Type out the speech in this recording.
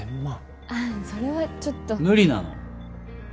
それはちょっと無理なの？